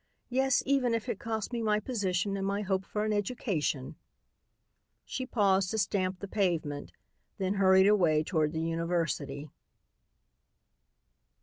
Yes, even if it costs me my position and my hope for an education!" She paused to stamp the pavement, then hurried away toward the university.